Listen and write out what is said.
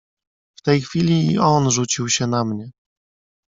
"W tej chwili i on rzucił się na mnie."